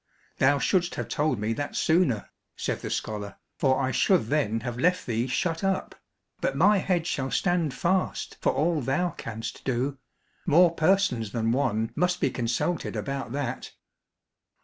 "Thou shouldst have told me that sooner," said the scholar, "for I should then have left thee shut up, but my head shall stand fast for all thou canst do; more persons than one must be consulted about that."